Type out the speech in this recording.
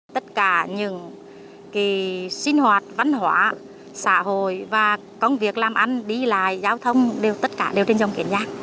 tất cả những sinh hoạt văn hóa xã hội và công việc làm ăn đi lại giao thông đều tất cả đều trên dòng kiến giang